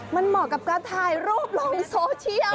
มันเหมาะกับการถ่ายรูปลงในโซเชียล